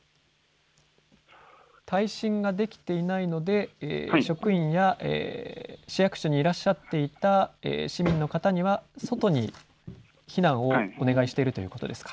耐震ができていないので職員や市役所にいらっしゃっていた市民の方には外に避難をお願いしているということですか。